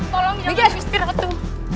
tolong jangan gusti ratu